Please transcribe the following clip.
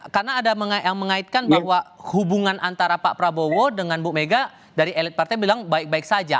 karena ada yang mengaitkan bahwa hubungan antara pak prabowo dengan ibu megawati dari elite party bilang baik baik saja